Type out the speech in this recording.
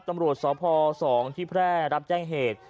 ตำรวจสพ๒ที่แพร่รับแจ้งเหตุ